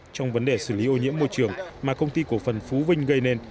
trong vấn đề xử lý ô nhiễm môi trường mà công ty cổ phần phú vinh gây nên